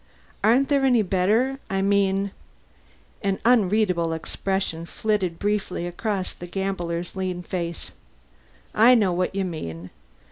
Aren't there any better I mean " An unreadable expression flitted briefly across the gambler's lean face. "I know what you mean.